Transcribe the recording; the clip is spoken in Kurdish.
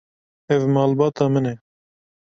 Ev malbata min e.